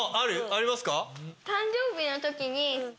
ありますか？